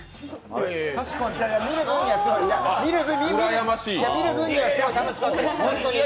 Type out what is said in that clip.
見る分にはすごい楽しかったです。